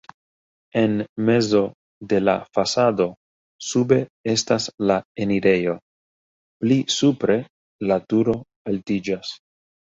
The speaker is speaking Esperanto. En mezo de la fasado sube estas la enirejo, pli supre la turo altiĝas.